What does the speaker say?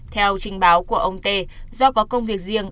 theo trình báo của ông tê do có công việc riêng